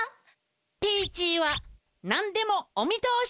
ピーチーはなんでもお見とおしです！